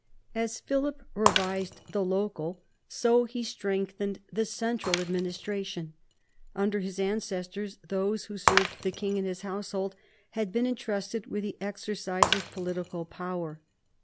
As Philip revised the local, so he strengthened the central administration. Under his ancestors, those who served the king in his household had been entrusted with the exercise of political power.